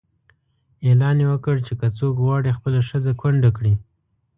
اعلان یې وکړ چې که څوک غواړي خپله ښځه کونډه کړي.